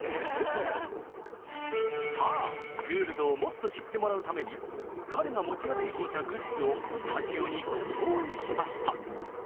さあグールドをもっと知ってもらうために彼が持ち歩いていたグッズをスタジオにご用意しました！